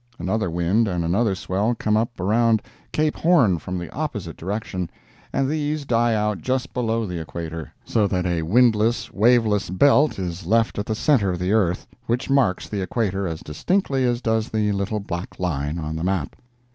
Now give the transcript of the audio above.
Another wind and another swell come up around Cape Horn from the opposite direction, and these die out just below the equator—so that a windless, waveless belt is left at the center of the earth, which marks the equator as distinctly as does the little black line on the map.